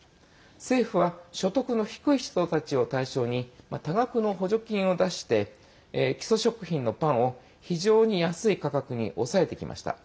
政府は所得の低い人たちを対象に多額の補助金を出して基礎食品のパンを非常に安い価格に抑えてきました。